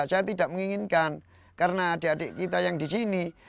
saya tidak menginginkan karena adik adik kita yang di sini kami ajarin untuk berkarya